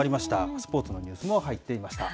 スポーツのニュースも入っていました。